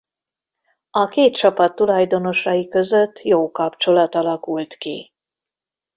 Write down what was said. A két csapat tulajdonosai között jó kapcsolat alakult ki.